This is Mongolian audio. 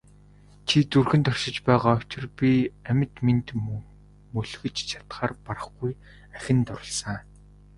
Чи зүрхэнд оршиж байгаа учир би амьд мэнд мөлхөж чадахаар барахгүй ахин дурласан.